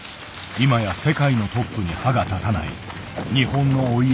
今や世界のトップに歯が立たない日本のお家芸。